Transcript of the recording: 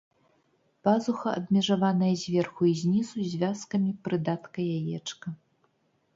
Пазуха абмежаваная зверху і знізу звязкамі прыдатка яечка.